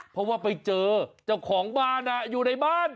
เพราะว่าไปเจอเจ้าของบ้านอยู่ในบ้าน